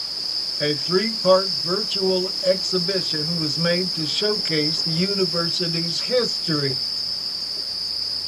A three part virtual exhibition was made to showcase the university's history.